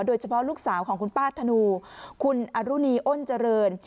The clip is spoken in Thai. ลูกสาวของคุณป้าธนูคุณอรุณีอ้นเจริญ